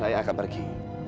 saya akan pergi